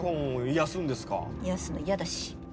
癒やすのやだし。